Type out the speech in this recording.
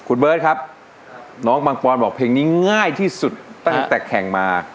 คุณเบิร์ตครับน้องมังปอนบอกเพลงนี้ง่ายที่สุดตั้งแต่แข่งมา